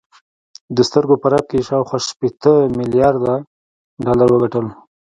د سترګو په رپ کې یې شاوخوا شپېته میلارده ډالر وګټل